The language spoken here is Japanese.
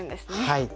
はい。